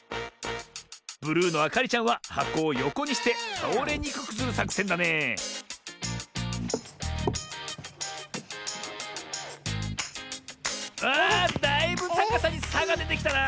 ブルーのあかりちゃんははこをよこにしてたおれにくくするさくせんだねあだいぶたかさにさがでてきたな。